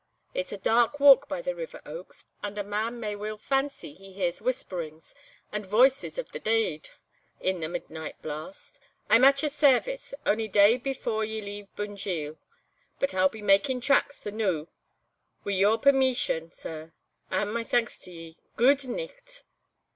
It's a dark walk by the river oaks, and a man may weel fancy he hears whisperings, and voices of the deid in the midnight blast. I'm at your sairvice ony day before ye leave Bunjil, but I'll be makin' tracks the noo, wi' your permeession, sir, and my thanks to ye. Gude nicht!"